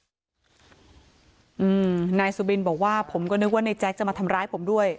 อืมนายสุบินบอกว่าผมก็นึกว่านายแจ๊คจะมาทำร้ายผมด้วย